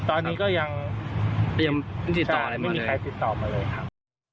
ตอนนี้ก็ยังยังไม่ติดต่ออะไรมาเลยใช่ไม่มีใครติดต่อมาเลยครับ